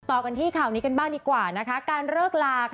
ต่อกันที่ข่าวนี้กันบ้างดีกว่านะคะการเลิกลาค่ะ